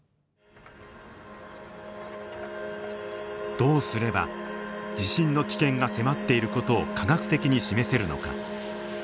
どうすれば地震の危険が迫っている事を科学的に示せるのか。